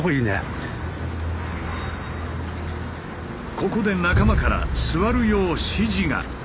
ここで仲間から座るよう指示が。